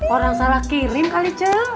orang salah kirim kali